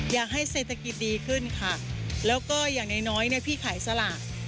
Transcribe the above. อยากให้เศรษฐกิจดีขึ้นค่ะแล้วก็อย่างน้อยเนี่ยพี่ขายสลาก